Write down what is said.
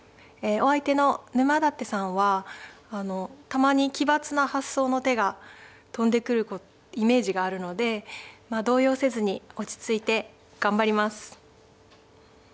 お相手の沼舘さんはたまに奇抜な発想の手が飛んでくるイメージがあるので動揺せずに落ち着いて頑張ります！